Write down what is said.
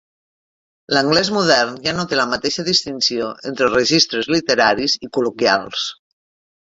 L'anglès modern ja no té la mateixa distinció entre registres literaris i col·loquials.